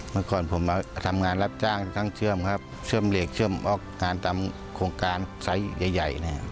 เมื่อก่อนผมทำงานรับจ้างทั้งเชื่อมครับเชื่อมเหล็กเชื่อมออกงานตามโครงการไซส์ใหญ่นะครับ